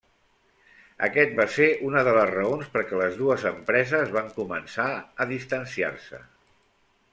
Aquest va ser una de les raons perquè les dues empreses van començar a distanciar-se.